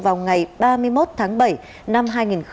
vào ngày ba mươi một tháng bảy năm hai nghìn hai mươi